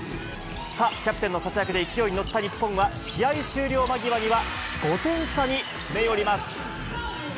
さあ、キャプテンの活躍で勢いに乗った日本は、試合終了間際には５点差に詰め寄ります。